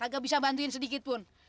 gak bisa bantuin sedikitpun